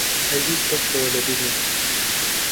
هەرگیز ئەو شەوە لەبیر ناکەم.